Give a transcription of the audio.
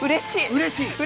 うれしい！